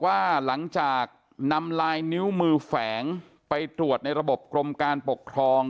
ว่าหลังจากนำลายนิ้วมือแฝงไปตรวจในระบบกรมการปกครอง